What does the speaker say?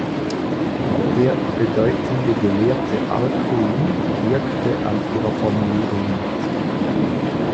Der bedeutende Gelehrte Alkuin wirkte an ihrer Formulierung mit.